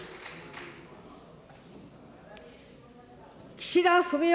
岸田文雄